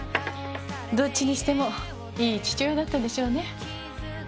どっちにしてもいい父親だったでしょうね。